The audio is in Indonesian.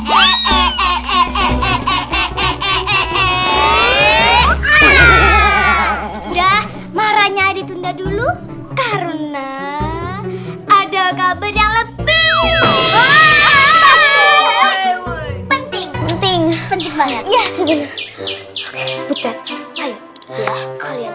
udah marahnya ditunda dulu karena ada kabar yang penting penting penting